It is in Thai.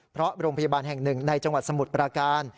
เพราะโรงพยาบาลแห่งหนึ่งในจังหวัดสมุทรปราการ